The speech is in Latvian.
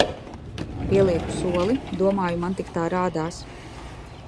Pielieku soli, domāju man tik tā rādās.